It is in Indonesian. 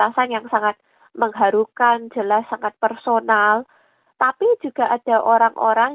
atau testimoni bagi orang orang